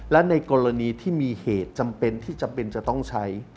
และในกรณีที่มีเหตุจำเป็นที่จำเป็นจะต้องใช้